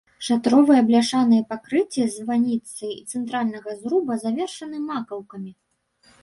Шатровыя бляшаныя пакрыцці званіцы і цэнтральнага зруба завершаны макаўкамі.